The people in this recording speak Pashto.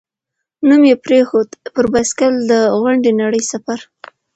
نوم یې پرېښود، «پر بایسکل د غونډې نړۍ سفر».